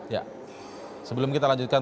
ya sebelum kita lanjutkan